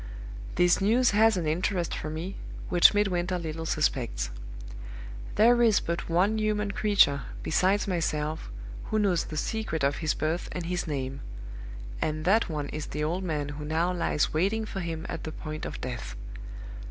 "This news has an interest for me, which Midwinter little suspects. There is but one human creature, besides myself, who knows the secret of his birth and his name; and that one is the old man who now lies waiting for him at the point of death.